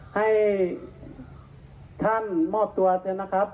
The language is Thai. ให้ท่านมอบตัวเสร็จนะครับ